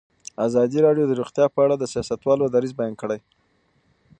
ازادي راډیو د روغتیا په اړه د سیاستوالو دریځ بیان کړی.